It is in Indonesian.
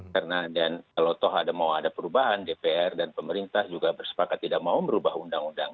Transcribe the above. karena dan kalau toh ada mau ada perubahan dpr dan pemerintah juga bersepakat tidak mau berubah undang undang